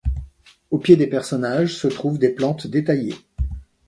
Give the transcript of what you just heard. Aux pieds des personnages se trouvent des plantes détaillées.